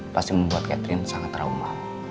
pasti membuat catherine sangat trauma